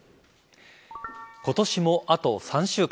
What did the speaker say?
今年もあと３週間。